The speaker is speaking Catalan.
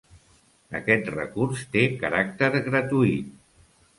Aquest recurs té caràcter gratuït.